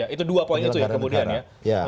itu dua poin itu ya kemudian ya